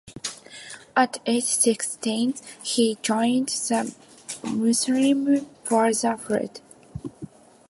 At age sixteen, he joined the Muslim Brotherhood.